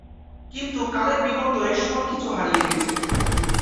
কিন্তু কালের বিবর্তনে সব কিছু হারিয়ে গেছে।